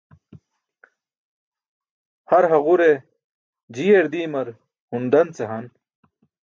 Har haġure jiiyar diimar hun dan ce han.